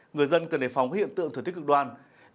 người dân cần đề phóng hiện tượng thuật thích cực đoan